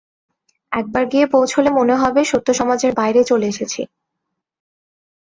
একবার গিয়ে পৌঁছলে মনে হবে সত্যসমাজের বাইরে চলে এসেছি।